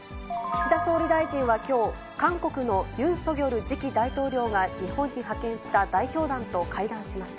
岸田総理大臣はきょう、韓国のユン・ソギョル次期大統領が日本に派遣した代表団と会談し